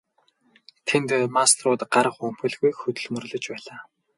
Тэнд мастерууд гар хумхилгүй хөдөлмөрлөж байлаа.